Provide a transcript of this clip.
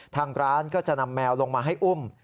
ทางร้านก็จะนำแมวลงมาให้อุ้ม